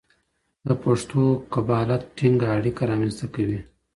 د پښتو قبالت ټینګه اړیکه رامنځته کوي.